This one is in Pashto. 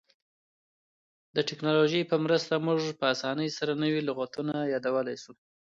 د ټکنالوژۍ په مرسته موږ په اسانۍ سره نوي لغتونه یادولای سو.